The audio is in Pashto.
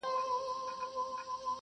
ازمایښتي چارې وخت او حوصله غواړي.